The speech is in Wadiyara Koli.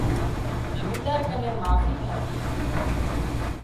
زمينۮار ڪنين معافي مانڄي